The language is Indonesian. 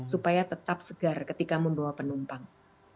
supaya tetap segar ketika membawa penumpang